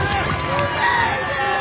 お母ちゃん！